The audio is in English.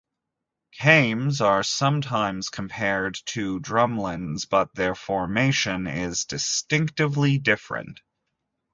Kames are sometimes compared to drumlins, but their formation is distinctively different.